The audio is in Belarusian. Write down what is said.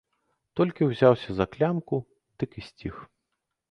Толькі ўзяўся за клямку, дык і сціх.